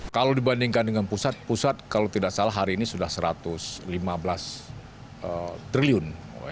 kalau dibandingkan dengan pusat pusat kalau tidak salah hari ini sudah satu ratus lima belas triliun